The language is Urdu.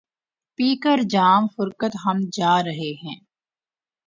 پی کر جام فرقت ہم جا رہے ہیں